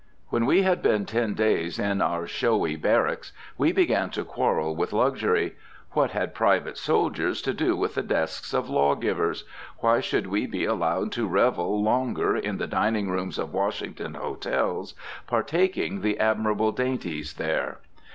When we had been ten days in our showy barracks we began to quarrel with luxury. What had private soldiers to do with the desks of law givers? Why should we be allowed to revel longer in the dining rooms of Washington hotels, partaking the admirable dainties there?